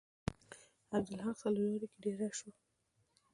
عبدالحق څلور لارې کې ډیر رش و.